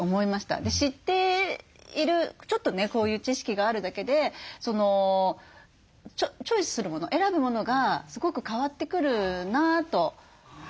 知っているちょっとねこういう知識があるだけでチョイスするもの選ぶものがすごく変わってくるなと。